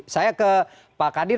saya ke pak kadir